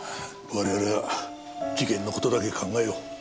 我々は事件の事だけ考えよう。